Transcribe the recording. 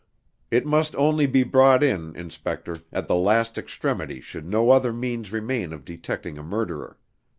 It must only be brought in, inspector, at the last extremity should no other means remain of detecting a murderer.